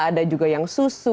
ada juga yang sus